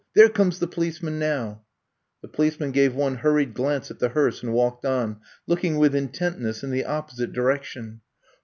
There comes the policeman now. '* The policeman gave one hurried glance at the hearse and walked on, looking with intentness in the opposite direction.